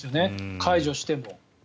解除しても。